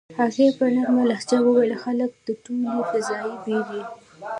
هغې په نرمه لهجه وویل: "خلک د ټولې فضايي بېړۍ.